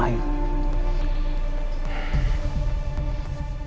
yang nyerang kita tadi itu gak main main